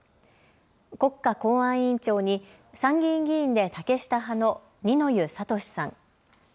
国家公安委員長に参議院議員で竹下派の二之湯智さん。